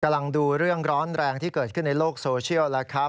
กำลังดูเรื่องร้อนแรงที่เกิดขึ้นในโลกโซเชียล